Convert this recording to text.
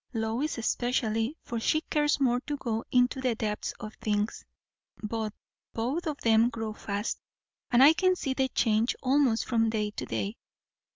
Lois especially, for she cares more to go into the depths of things; but both of them grow fast, and I can see the change almost from day to day.